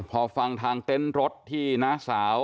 พอฟังทางเต็นต์รถที่น้าสาว